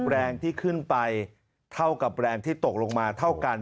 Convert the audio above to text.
แรงที่ขึ้นไปเท่ากับแรงที่ตกลงมาเท่ากัน